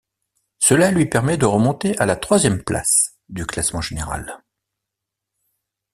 Cela lui permet de remonter à la troisième place du classement général.